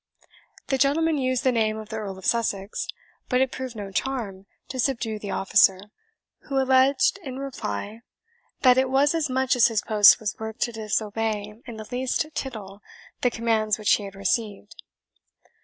The gentlemen used the name of the Earl of Sussex; but it proved no charm to subdue the officer, who alleged, in reply, that it was as much as his post was worth to disobey in the least tittle the commands which he had received.